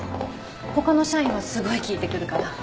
他の社員はすごい聞いてくるから。